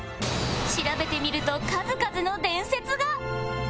調べてみると数々の伝説が